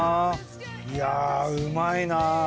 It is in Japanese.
いやうまいな。